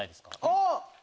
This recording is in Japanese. あっ！